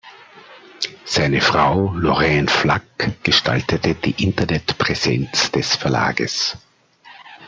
Seine Frau Lorraine Flack gestaltete die Internetpräsenz des Verlages.